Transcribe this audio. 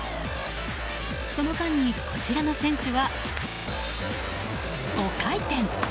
その間に、こちらの選手は５回転。